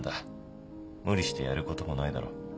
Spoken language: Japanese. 無理してやることもないだろ。